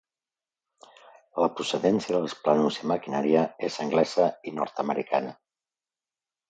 La procedència dels plànols i maquinària és anglesa i nord-americana.